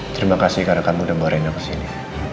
terima kasih karena kamu udah bawa reno ke sini